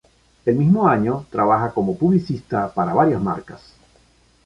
Ese mismo año, trabaja como publicista para varias marcas.